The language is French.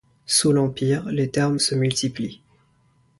Sous l’Empire, les thermes se multiplient.